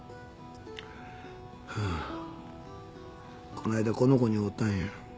この間この子に会うたんや。